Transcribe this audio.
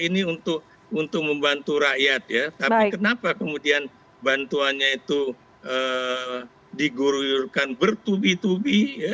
ini untuk membantu rakyat ya tapi kenapa kemudian bantuannya itu digururkan bertubi tubi